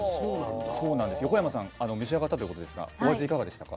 横山さん召し上がったということですがお味いかがでしたか？